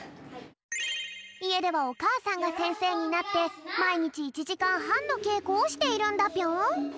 いえではおかあさんがせんせいになってまいにち１じかんはんのけいこをしているんだぴょん。